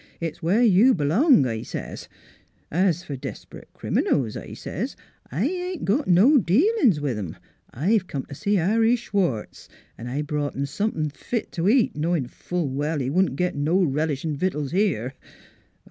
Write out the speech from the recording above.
It's where you b'long,' I says. ' Es f'r desprit criminals,' I says, ' I ain't got no dealin's with 'em. I've come t' see Harry Schwartz, an' I brought him somethin' fit t' eat, knowin' full well he wouldn't git no relishin' victuals here.'